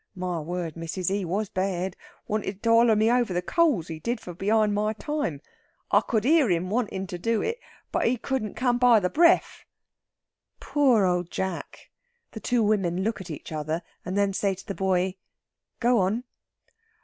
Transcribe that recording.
My word, missis, he was bad! Wanted to holler me over the coals, he did, for behind my time. I could hear him wantin' to do it. But he couldn't come by the breath." Poor Old Jack! The two women look at each other, and then say to the boy: "Go on."